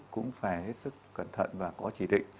cũng phải hết sức cẩn thận và có chỉ định